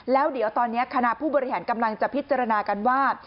แล้วเดี๋ยวตอนนี้คณะผู้บริหารกำลังจะพิจารณากันว่า